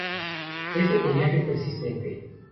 Es de follaje persistente.